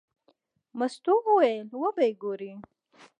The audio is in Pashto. مستو وویل: وبه یې ګورې.